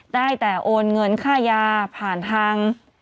ได้แต่โอนเงินค่ายาผ่านทาง